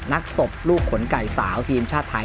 ตบลูกขนไก่สาวทีมชาติไทย